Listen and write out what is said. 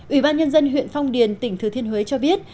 ủy ban nhân dân huyện phong điền tỉnh thừa thiên huế cho biết